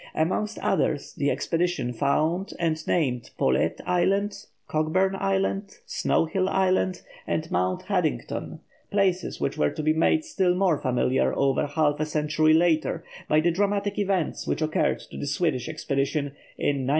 Amongst others, the expedition found and named Paulet Island, Cockburn Island, Snow Hill Island, and Mount Haddington, places which were to be made still more familiar over half a century later by the dramatic events which occurred to the Swedish expedition in 1901 3.